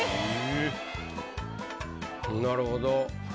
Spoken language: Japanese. なるほど。